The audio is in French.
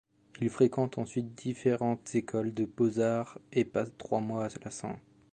Il fréquente ensuite différentes écoles de beaux-arts et passe trois mois à la St.